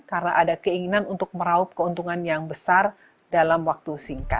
karena ada keinginan untuk meraup keuntungan yang besar dalam waktu singkat